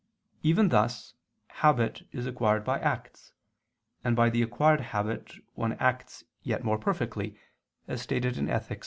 Even thus habit is acquired by acts, and by the acquired habit one acts yet more perfectly, as stated in _Ethic.